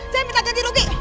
saya minta ganti rugi